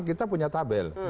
kita punya tabel